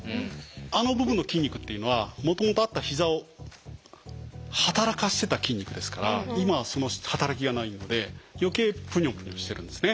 あの部分の筋肉っていうのはもともとあった膝を働かしてた筋肉ですから今はその働きがないので余計プニョプニョしてるんですね。